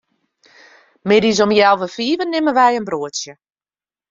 Middeis om healwei fiven nimme wy in broadsje.